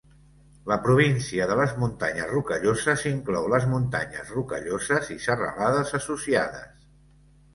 La província de les Muntanyes Rocalloses inclou les Muntanyes Rocalloses i serralades associades.